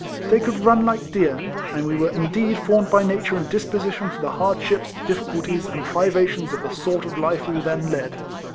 They could run like deer, and were indeed formed by Nature and disposition for the hardships, difficulties, and privations of the sort of life we then led.